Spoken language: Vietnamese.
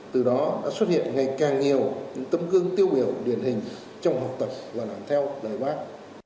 từ đó đã xuất hiện ngày càng nhiều những tấm gương tiêu biểu điển hình trong học tập và làm theo lời bác